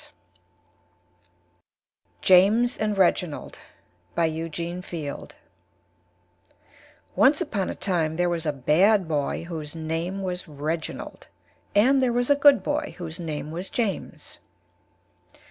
] JAMES AND REGINALD BY EUGENE FIELD Once upon a Time there was a Bad boy whose Name was Reginald and there was a Good boy whose Name was James.